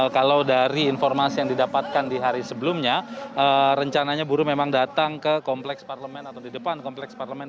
kalau dari informasi yang didapatkan di hari sebelumnya rencananya buruh memang datang ke kompleks parlemen atau di depan kompleks parlemen